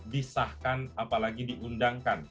disahkan apalagi diundangkan